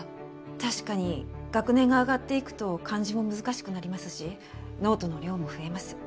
確かに学年が上がっていくと漢字も難しくなりますしノートの量も増えます。